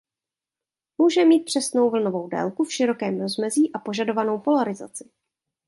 Může mít přesnou vlnovou délku v širokém rozmezí a požadovanou polarizaci.